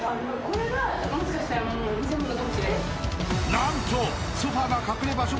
［何と］